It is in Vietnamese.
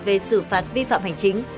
về xử phạt vi phạm hành chính